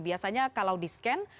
biasanya kalau di scan